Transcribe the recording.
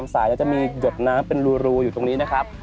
เราดูจากสาน้ำด้วยนะครับ